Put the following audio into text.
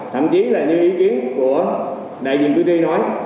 thậm chí là những ý kiến của đại diện cử tri nói